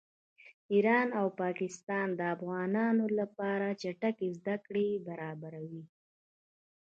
ایران او پاکستان د افغانانو لپاره چټکې زده کړې برابروي